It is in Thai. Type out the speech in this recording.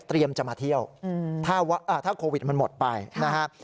เตรียมจะมาเที่ยวอืมถ้าว่าอ่าถ้าโควิดมันหมดไปนะฮะ